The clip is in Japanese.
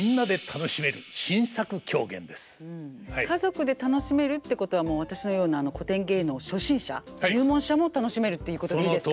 家族で楽しめるってことは私のような古典芸能初心者入門者も楽しめるっていうことでいいですか？